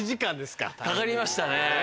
かかりましたね。